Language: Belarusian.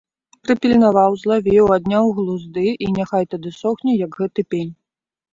Прыпільнаваў, злавіў, адняў глузды і няхай тады сохне, як гэты пень!